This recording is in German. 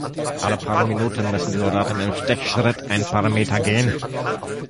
Alle paar Minuten müssen die Soldaten im Stechschritt ein paar Meter gehen.